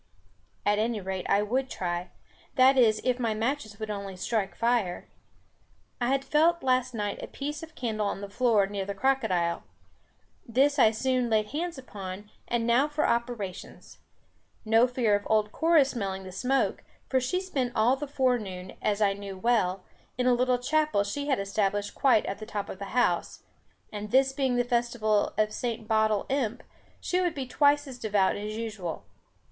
At any rate, I would try; that is, if my matches would only strike fire. I had felt last night a piece of candle on the floor near the crocodile. This I soon laid hands upon; and now for operations. No fear of old Cora smelling the smoke, for she spent all the forenoon, as I knew well, in a little chapel she had established quite at the top of the house; and this being the festival of St. Bottle imp, she would be twice as devout as usual.